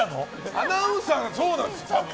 アナウンサーがそうなんですよ。